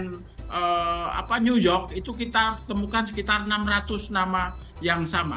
dan new york itu kita temukan sekitar enam ratus nama yang sama